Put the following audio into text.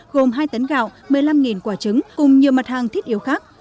gồm hai tấn gạo một mươi năm quả trứng cùng nhiều mặt hàng thiết yếu khác